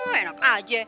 eh enak aja